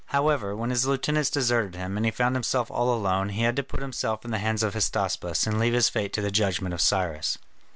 However, when his lieutenants deserted him and he found himself all alone, he had to put himself in the hands of Hystaspas, and leave his fate to the judgment of Cyrus.